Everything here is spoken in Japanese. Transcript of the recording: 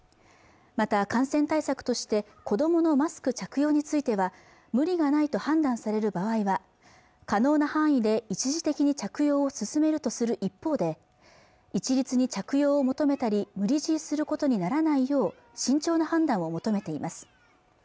また感染対策として子どものマスク着用については無理がないと判断される場合は可能な範囲で一時的に着用を勧めるとする一方で一律に着用を求めたり無理強いすることにならないよう慎重な判断を求めています